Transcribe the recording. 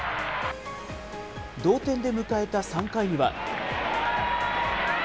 同点で迎えた３回には。